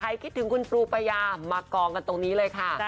คิดถึงคุณปูปายามากองกันตรงนี้เลยค่ะ